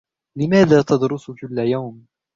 لماذا تدرس كل يوم؟